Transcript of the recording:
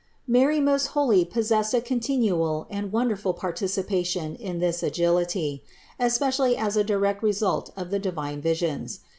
Mary most holy possessed a continual and wonderful participation in this agility, especially as a direct result of the divine visions.